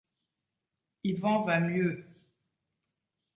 Yvan va mieux.